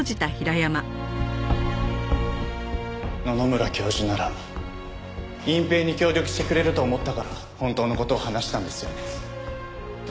野々村教授なら隠蔽に協力してくれると思ったから本当の事を話したんですよね？